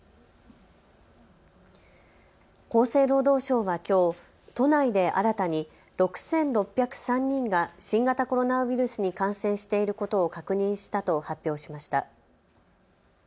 厚生労働省はきょう都内で新たに６６０３人が新型コロナウイルスに感染していることを確認したと発表しました。